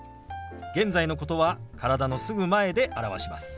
現在のことは体のすぐ前で表します。